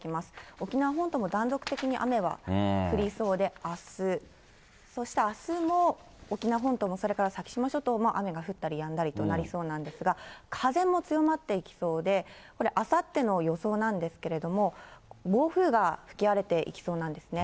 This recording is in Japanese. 沖縄本島も断続的に雨が降りそうで、あす、そしてあすも沖縄本島も、それから先島諸島も雨が降ったりやんだりとなりそうなんですが、風も強まっていきそうで、これ、あさっての予想なんですけれども、暴風が吹き荒れていきそうなんですね。